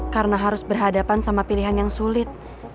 karena harus berhadapan sama pilihan yang sulit